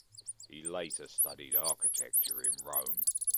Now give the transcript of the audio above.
He later studied architecture in Rome.